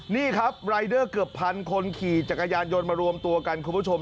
นี่ครับรายเดอร์เกือบพันคนขี่จักรยานยนต์มารวมตัวกันคุณผู้ชม